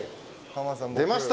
出ました。